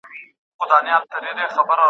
ښايي جامي مینځونکی داغ په اسانۍ سره پاک کړي.